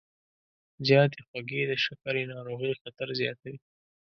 زیاتې خوږې د شکرې ناروغۍ خطر زیاتوي.